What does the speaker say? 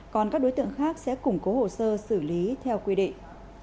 còn các đối tượng khác sẽ củng cố hồ sơ xử lý theo quy định